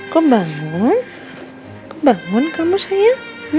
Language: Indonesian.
kok bangun kok bangun kamu sayang